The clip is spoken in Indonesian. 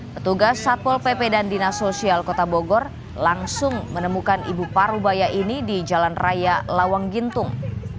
petugas satpol pp dan dinas sosial kota bogor langsung menemukan ibu parubaya ini di jalan raya lawang gintung